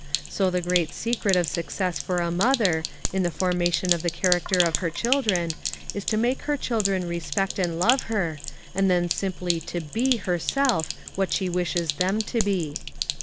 So the great secret of success for a mother, in the formation of the character of her children, is to make her children respect and love her, and then simply to be herself what she wishes them to be.